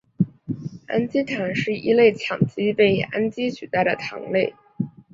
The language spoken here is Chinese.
氨基糖是一类羟基被氨基取代的糖类。